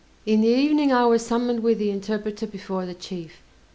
In the evening I was summoned with the interpreter before the chief.